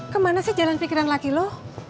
kemana sih jalan pikiran laki lo